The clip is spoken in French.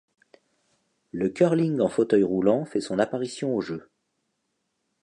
Le curling en fauteuil roulant fait son apparition aux Jeux.